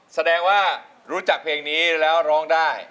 แสดงว่ารู้จักเพลงนี้แล้วร้องได้